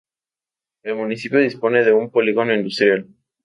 El municipio dispone de un polígono industrial.